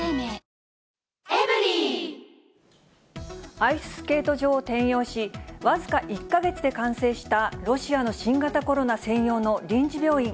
アイススケート場を転用し、僅か１か月で完成したロシアの新型コロナ専用の臨時病院。